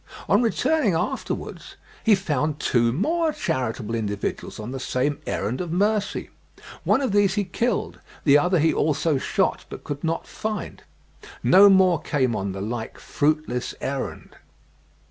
On returning afterwards he found two more charitable individuals on the same errand of mercy. One of these he killed; the other he also shot, but could not find. No more came on the like fruitless errand.")